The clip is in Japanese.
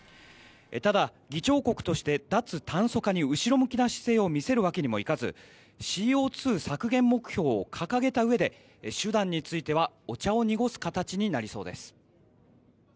ただ、議長国として脱炭素化に後ろ向きな姿勢を見せるわけにもいかずＣＯ２削減目標を掲げたうえで手段についてはお茶を濁す形になりそうです。